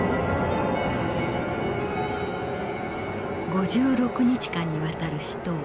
５６日間にわたる死闘。